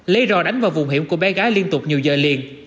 lấy rò đánh vào vùng hiểm của bé gái liên tục nhiều giờ liền